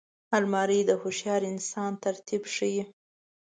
الماري د هوښیار انسان ترتیب ښيي